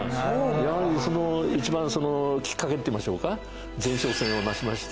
やはりその一番きっかけっていいましょうか前哨戦をなしました